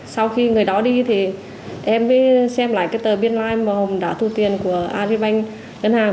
sau khi người đó đi thì em mới xem lại cái tờ biên lai màu hồng đã thu tiền của agribank ngân hàng